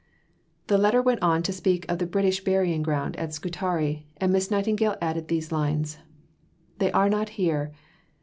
The letter went on to speak of the British burying ground at Scutari, and Miss Nightingale added these lines: "They are not here!"